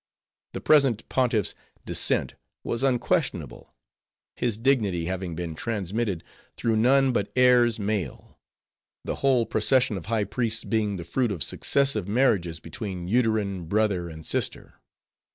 The present Pontiff's descent was unquestionable; his dignity having been transmitted through none but heirs male; the whole procession of High Priests being the fruit of successive marriages between uterine brother and sister.